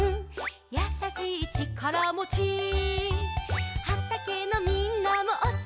「やさしいちからもち」「はたけのみんなもおそろいね」